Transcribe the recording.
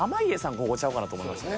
ここちゃうかなと思いましたね。